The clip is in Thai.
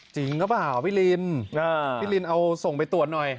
จริงหรือเปล่าพี่ลินพี่ลินเอาส่งไปตรวจหน่อย